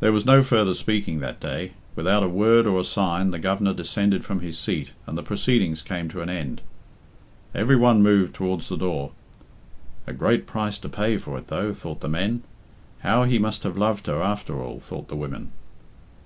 There was no further speaking that day. Without a word or a sign the Governor descended from his seat and the proceedings came to an end. Every one moved towards the door. "A great price to pay for it, though," thought the men. "How he must have loved her, after all," thought the women.